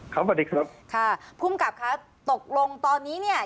สวัสดีครับค่ะภูมิกับค่ะตกลงตอนนี้เนี่ย